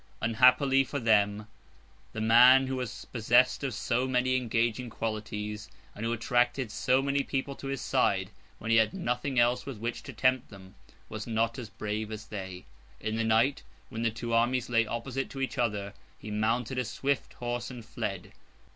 Unhappily for them, the man who was possessed of so many engaging qualities, and who attracted so many people to his side when he had nothing else with which to tempt them, was not as brave as they. In the night, when the two armies lay opposite to each other, he mounted a swift horse and fled.